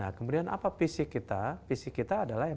nah kemudian apa pc kita pc kita adalah yang